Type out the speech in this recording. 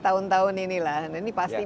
tahun tahun inilah ini pasti